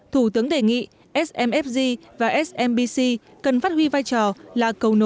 thủ tướng đề nghị smfg và smbc cần phát huy vai trò là cầu nữ